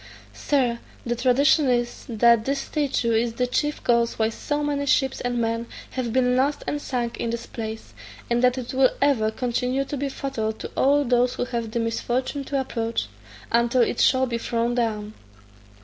Sir, the tradition is, that this statue is the chief cause why so many ships and men have been lost and sunk in this place, and that it will ever continue to be fatal to all those who have the misfortune to approach, until it shall be thrown down."